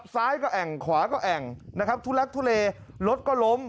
ซ้ายก็แอ่งขวาก็แอ่งนะครับทุลักทุเลรถก็ล้ม